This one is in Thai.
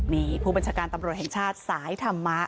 นี่ผู้บัญชาการตำรวจแห่งชาติสายธรรมะ